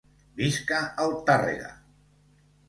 Visca el Tàrrega!